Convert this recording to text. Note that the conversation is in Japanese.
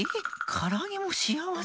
からあげもしあわせ？